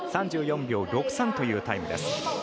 ３４秒６３というタイムです。